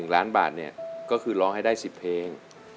๑ล้านบาทเนี่ยก็คือร้องให้ได้๑๐เพลง